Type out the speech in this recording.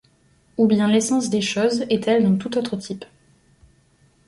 Ou bien l'essence des chose est-elle d'un tout autre type ?